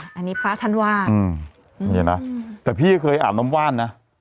อ่าอันนี้พระท่านว่าอืมอย่างเงี้ยน่ะแต่พี่เคยอาบน้ำว่านน่ะ